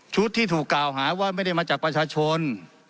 ที่ถูกกล่าวหาว่าไม่ได้มาจากประชาชน